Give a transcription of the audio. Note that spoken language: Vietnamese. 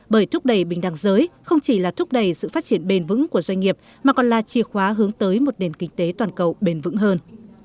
bởi thúc đẩy bình đẳng giới không chỉ là thúc đẩy sự phát triển bền vững của doanh nghiệp mà còn là chìa khóa hướng tới một nền kinh tế toàn cầu bền vững hơn